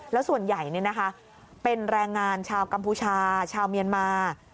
แล้วส่วนใหญ่เป็นแรงงานชาวกัมพูชาชาวเมียนมา